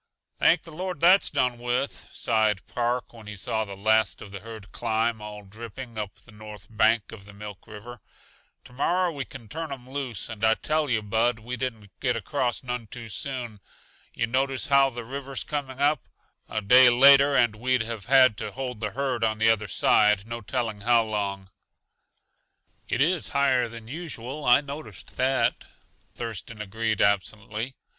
"Thank the Lord that's done with," sighed Park when he saw the last of the herd climb, all dripping, up the north bank of the Milk River. "To morrow we can turn 'em loose. And I tell yuh, Bud, we didn't get across none too soon. Yuh notice how the river's coming up? A day later and we'd have had to hold the herd on the other side, no telling how long." "It is higher than usual; I noticed that," Thurston agreed absently.